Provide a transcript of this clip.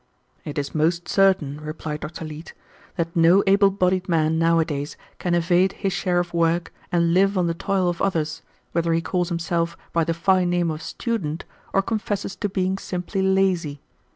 "It is most certain," replied Dr. Leete, "that no able bodied man nowadays can evade his share of work and live on the toil of others, whether he calls himself by the fine name of student or confesses to being simply lazy.